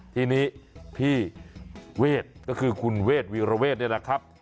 ทีนี้พี่เวทก็คือคุณเวทวีรเวศนี่แหละครับ